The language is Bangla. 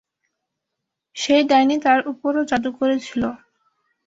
সেই ডাইনি তার উপরও জাদু করেছিল।